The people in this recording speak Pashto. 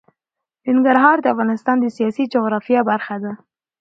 ننګرهار د افغانستان د سیاسي جغرافیه برخه ده.